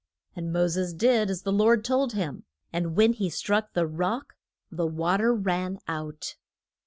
And Mo ses did as the Lord told him, and when he struck the rock the wa ter ran out.